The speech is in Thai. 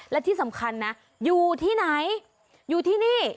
และที่สำคัญนะอยู่ที่ไหนอยู่ที่นี่